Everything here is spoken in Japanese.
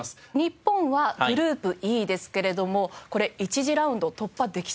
日本はグループＥですけれどもこれ１次ラウンド突破できそうですか？